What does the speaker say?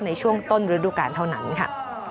ในช่วงต้นฤดูการเท่านั้นค่ะ